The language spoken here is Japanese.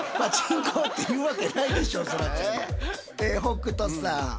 北斗さん。